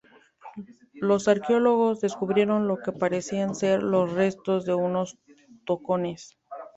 Los arqueólogos descubrieron lo que parecían ser los restos de unos tocones.